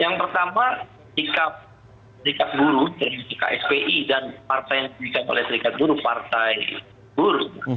yang pertama sikap sdi dan partai yang diikati oleh sdi partai buru